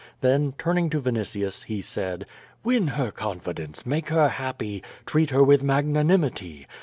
Then, turning to Vinitius, he said: "Win her confidence, make her happy, treat her with mag nanimity.